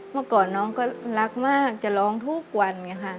เมื่อก่อนน้องก็รักมากจะร้องทุกวันค่ะ